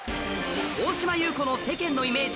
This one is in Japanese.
大島優子の世間のイメージ